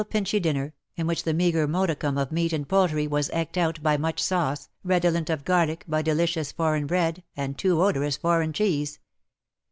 163 pinchy dinner^ in which the meagre modicum of meat and jDOultry was eked ont by much sauce, redolent of garlic, by delicious foreign bread, and too odorous foreign cheese.